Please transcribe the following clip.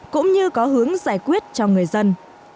cũng như có hướng giải quyết cho người dân